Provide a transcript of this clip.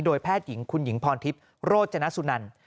แพทย์หญิงคุณหญิงพรทิพย์โรจนสุนัน